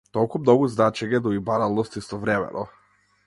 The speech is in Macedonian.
Толку многу значење, но и баналност истовремено.